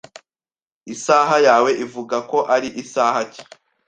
Isaha yawe ivuga ko ari isaha ki?